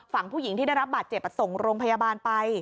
ฝั่งผู้หญิงที่ได้รับบาดเจ็บส่งโรงพยาบาลไป